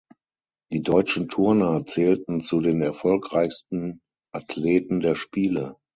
Die deutschen Turner zählten zu den erfolgreichsten Athleten der Spiele.